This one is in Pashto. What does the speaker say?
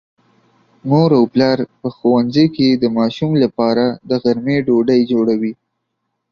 مور او پلار په ښوونځي کې د ماشوم لپاره د غرمې ډوډۍ جوړوي.